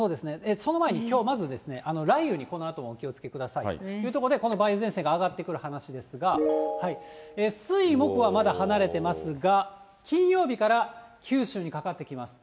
その前にまず、雷雨にこのあともお気をつけください。ということで、この梅雨前線が上がってくる話ですが、水、木はまだ離れてますが、金曜日から九州にかかってきます。